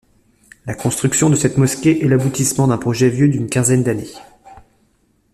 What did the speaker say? La construction de cette mosquée est l'aboutissement d'un projet vieux d'une quinzaine d'années.